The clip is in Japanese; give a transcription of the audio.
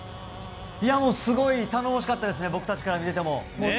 もうすごい頼もしかったですね、僕たちから見てても。